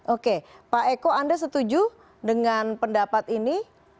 oke pak eko anda setuju dengan pendapat ini